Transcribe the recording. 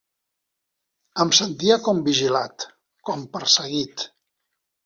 Em sentia com vigilat, com perseguit